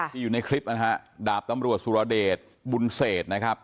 อยู่ในคลิปนะฮะดาบตำรวจสุรเดชบุญเศษนะครับ